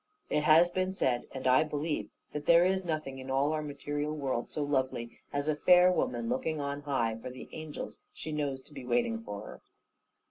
It has been said, and I believe, that there is nothing, in all our material world, so lovely as a fair woman looking on high for the angels she knows to be waiting for her.